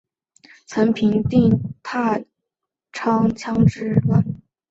曾平定宕昌羌之乱。